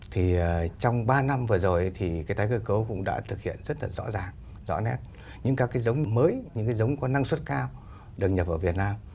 thì trong ba năm vừa rồi thì cái tái cơ cấu cũng đã thực hiện rất là rõ ràng rõ nét những các cái giống mới những cái giống có năng suất cao được nhập vào việt nam